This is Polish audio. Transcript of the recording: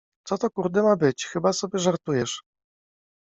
Co to kurde ma być, chyba sobie żartujesz.